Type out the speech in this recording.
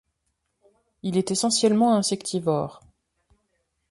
Il est essentiellement insectivore.